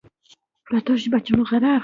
تر توان او طاقت وتلی کار دی.